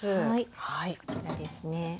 はいこちらですね。